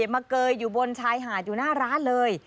เกยอยู่บนชายหาดอยู่หน้าร้านเลย